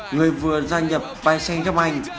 người vừa gia nhập paris saint germain